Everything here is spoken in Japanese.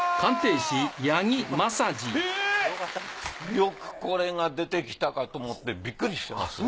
よくこれが出てきたかと思ってビックリしました。